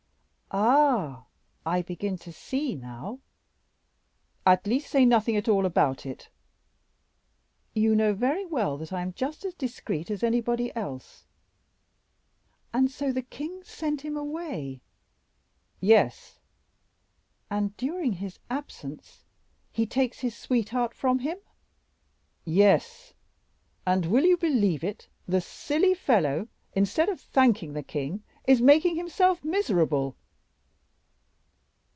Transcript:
"Ah! I begin to see, now." "At least say nothing at all about it." "You know very well that I am just as discreet as anybody else. And so the king sent him away?" "Yes." "And during his absence he takes his sweetheart from him?" "Yes; and, will you believe it? the silly fellow, instead of thanking the king, is making himself miserable."